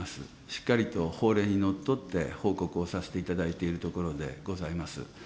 しっかりと法令にのっとって報告をさせていただいているところでございます。